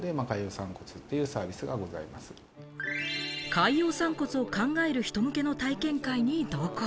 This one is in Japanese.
海洋散骨を考える人向けの体験会に同行。